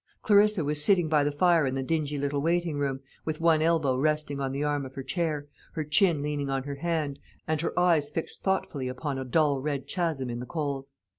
Clarissa was sitting by the fire in the dingy little waiting room, with one elbow resting on the arm of her chair, her chin leaning on her hand, and her eyes fixed thoughtfully upon a dull red chasm in the coals.